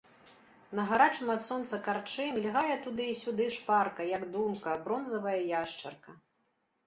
На гарачым ад сонца карчы мільгае туды і сюды шпарка, як думка, бронзавая яшчарка.